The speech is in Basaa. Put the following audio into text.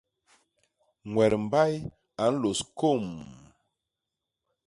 Ñwet mbay a nlôs kômm!.